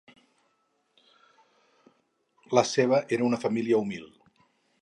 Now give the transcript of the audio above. La seva era una família humil.